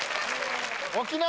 沖縄！